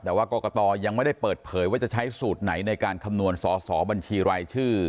แต่ว่ากรกตยังไม่ได้เปิดเผยว่าจะใช้สูตรไหนในการคำนวณสอสอบัญชีรายชื่อ